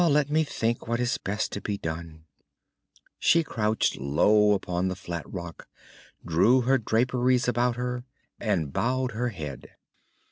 Let me think what is best to be done." She crouched low upon the flat rock, drew her draperies about her and bowed her head.